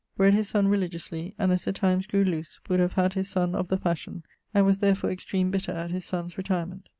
Bred his son religiously; and, as the times grew loose, would have had his sonne of the fashion, and was therfore extreme bitter at his sonne's retirement.